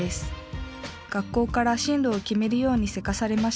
学校から進路を決めるようにせかされました。